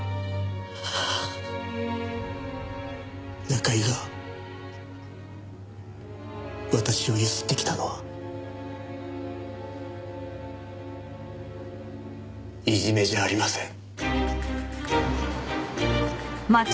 中居が私を強請ってきたのはいじめじゃありません。